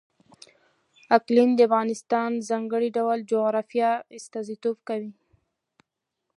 اقلیم د افغانستان د ځانګړي ډول جغرافیه استازیتوب کوي.